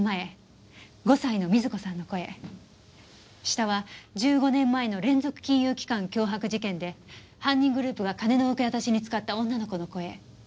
下は１５年前の連続金融機関脅迫事件で犯人グループが金の受け渡しに使った女の子の声。